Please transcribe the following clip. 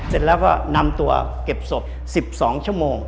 เสร็จแล้วก็นำตัวเก็บศพ๑๒ชั่วโมง